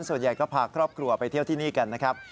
ส่วนใหญ่ก็พาครอบครัวไปเที่ยวที่นี่กันนะครับ